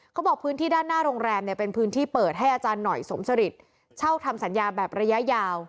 เขาบอกพื้นที่ด้านหน้าโรงแรมเนี่ยเป็นพื้นที่เปิดให้อาจารย์หน่อยสมสริตเช่าทำสัญญาแบบระยะยาว